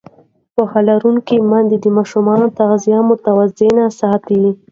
پوهه لرونکې میندې د ماشومانو تغذیه متوازنه ساتي.